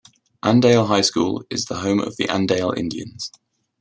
Andale High School is the home of the Andale Indians.